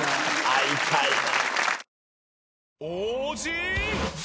会いたいな。